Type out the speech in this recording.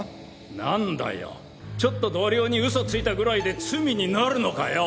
なんだよちょっと同僚に嘘ついたぐらいで罪になるのかよ！